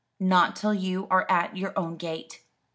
"Not till you are at your own gate."